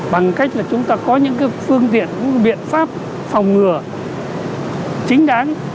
bằng cách là chúng ta có những phương tiện những biện pháp phòng ngừa chính đáng